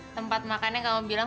tempat makan yang kamu bilang